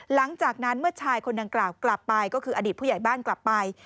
หลังจากนั้นเมื่อชายคนดังกล่าวกลับไปก็คืออดีตผู้ใหญ่บ้านกลับไป